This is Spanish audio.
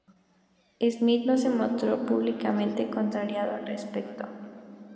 Smith no se mostró públicamente contrariado al respecto.